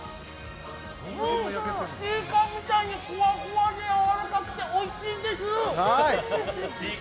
うん、ちいかわみたいにふわふわでやわらかくておいしいです！